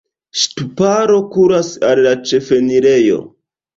Ŝtuparo kuras al la ĉefenirejo.